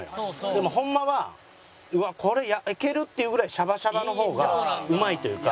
でもホンマはうわこれ焼ける？っていうぐらいシャバシャバの方がうまいというか。